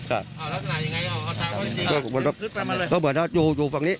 อ่ะแล้วมันตายยังไง